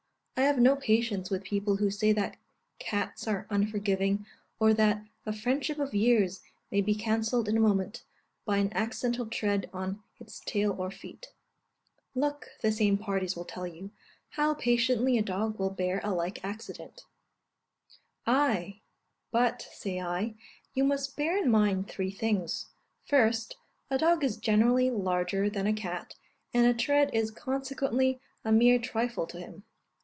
I have no patience with people who say that cats are unforgiving, or that "a friendship of years may be cancelled in a moment, by an accidental tread on its tail or feet." "Look," the same parties will tell you, "how patiently a dog will bear a like accident." Ay; but, say I, you must bear in mind three things: First, a dog is generally larger than a cat, and a tread is consequently a mere trifle to him.